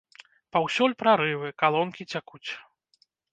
Паўсюль прарывы, калонкі цякуць!